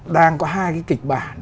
đang có hai cái kịch bản